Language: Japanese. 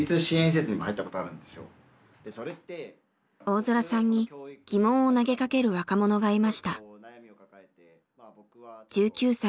大空さんに疑問を投げかける若者がいました。